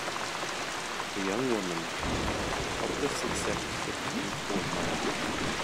A young woman, topless except for paint or mud.